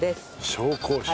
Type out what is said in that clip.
紹興酒。